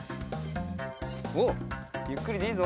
おっゆっくりでいいぞ！